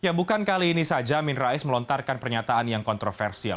ya bukan kali ini saja amin rais melontarkan pernyataan yang kontroversial